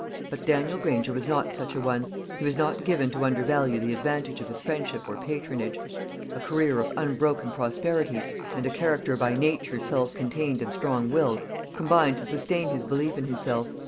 But Daniel Granger was not such a one; he was not given to undervalue the advantage of his friendship or patronage. A career of unbroken prosperity, and a character by nature self contained and strong willed, combined to sustain his belief in himself.